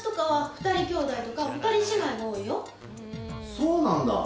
そうなんだ。